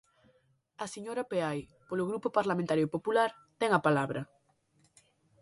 A señora Peai, polo Grupo Parlamentario Popular, ten a palabra.